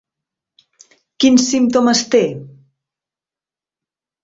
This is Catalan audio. Quins símptomes té?